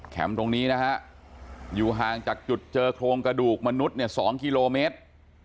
ตรงนี้นะฮะอยู่ห่างจากจุดเจอโครงกระดูกมนุษย์เนี่ย๒กิโลเมตร